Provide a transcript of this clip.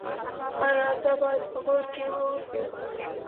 ایا زه باید په غور کې اوسم؟